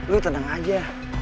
lo tenang aja